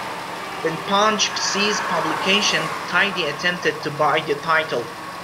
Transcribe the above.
When "Punch" ceased publication, Tidy attempted to buy the title.